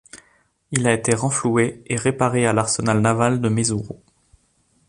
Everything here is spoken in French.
Il a été renfloué et réparé à l'arsenal naval de Maizuru.